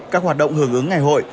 các hoạt động hưởng ứng ngày hội